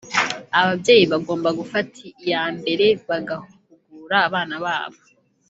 Ababyeyi bagomba gufata iyambere bagahugura abana babo